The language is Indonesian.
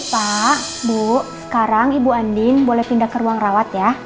pak bu sekarang ibu andin boleh pindah ke ruang rawat ya